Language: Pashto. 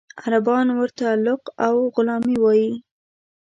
عربان ورته لق او غلامي وایي.